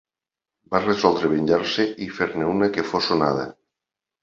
Va resoldre venjar-se i fer-ne una que fos sonada.